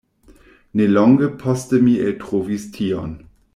Nelonge poste mi eltrovis tion.